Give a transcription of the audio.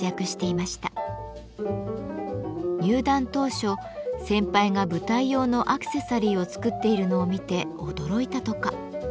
入団当初先輩が舞台用のアクセサリーを作っているのを見て驚いたとか。